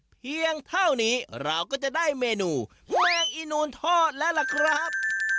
เพียงเท่านี้เราก็จะได้เมนูแมงอีนูนทอดแล้วล่ะครับ